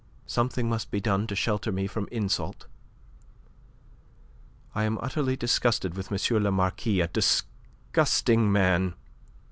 "Something must be done to shelter me from insult. I am utterly disgusted with M. le Marquis a disgusting man.